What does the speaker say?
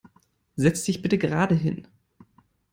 Setz dich bitte gerade hin!